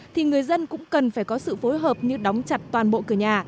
thì người dân cũng cần phải có sự phối hợp như đóng chặt toàn bộ cửa nhà